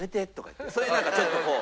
そういうちょっとこう。